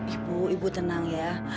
ibu ibu tenang ya